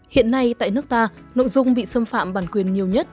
hiện nay tại nước ta nội dung bị xâm phạm bản quyền nhiều nhất